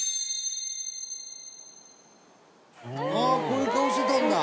こういう顔してたんだ」